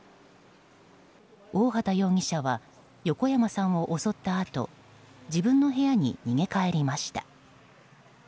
大畑容疑者は横山さんを襲ったあと自分の部屋に逃げ帰りました。